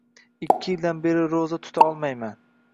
Ikki yildan beri roʻza tuta olmayman.